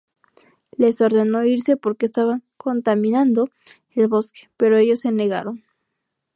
Les ordenó irse porque estaban "contaminando" el bosque, pero ellos se negaron.